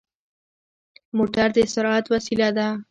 موټر د سرعت وسيله ده.